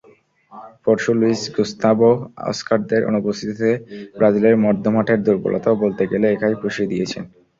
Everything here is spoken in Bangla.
পরশু লুইজ গুস্তাভো-অস্কারদের অনুপস্থিতিতে ব্রাজিলের মধ্যমাঠের দুর্বলতাও বলতে গেলে একাই পুষিয়ে দিয়েছেন।